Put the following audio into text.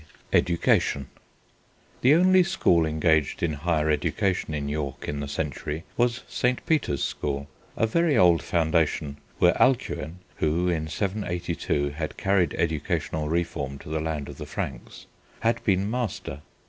EDUCATION The only school engaged in higher education in York in the century was St. Peter's School, a very old foundation, where Alcuin, who (in 782) had carried educational reform to the land of the Franks, had been master.